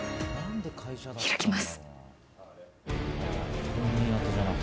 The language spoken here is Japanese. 開きます。